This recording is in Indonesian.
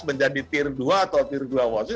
menjadi tier dua atau tier dua wasit